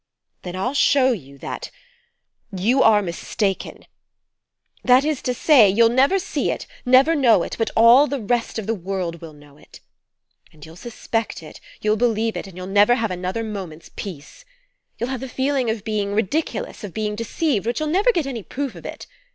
Then I'll show you that you are mistaken. That is to say you'll never see it, never know it, but all the rest of the world will know It. And you'll suspect it, you'll believe it, and you'll never have another moment's peace. You'll have the feeling of being ridiculous, of being deceived, but you'll never get any proof of it.